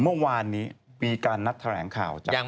เมื่อวานนี้มีการนัดแถลงข่าวจาก